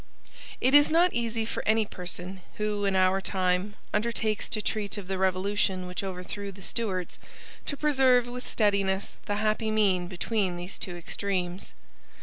It is not easy for any person who, in our time, undertakes to treat of the revolution which overthrew the Stuarts, to preserve with steadiness the happy mean between these two extremes.